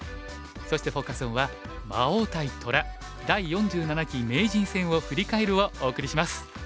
そしてフォーカス・オンは「『魔王』対『虎』第４７期名人戦を振り返る」をお送りします。